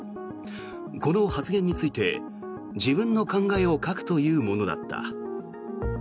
この発言について、自分の考えを書くというものだった。